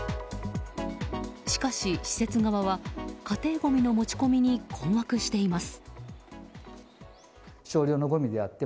しかし、施設側は家庭ごみの持ち込みに困惑しています。